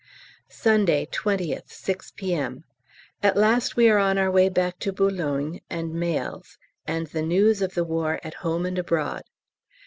Sunday, 20th, 6 P.M. At last we are on our way back to Boulogne and mails, and the News of the War at Home and Abroad.